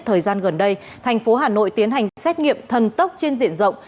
thời gian gần đây thành phố hà nội tiến hành xét nghiệm thân tốc trên diện rộng